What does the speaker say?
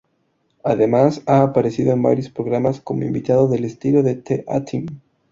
Además ha aparecido en varios programas como invitado del estilo "The A-Team".